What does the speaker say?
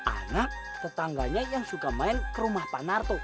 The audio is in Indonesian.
anak tetangganya yang suka main ke rumah pak narto